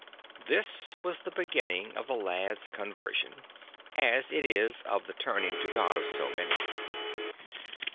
This was the beginning of the lad's conversion — as it is of the turning 84 to God of SO' many.